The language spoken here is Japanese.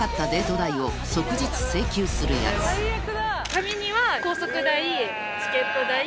紙には。